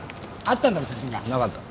なかった。